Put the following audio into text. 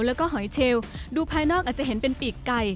แล้วก็หอยเชลดูภายนอกอาจจะเห็นเป็นปีกไก่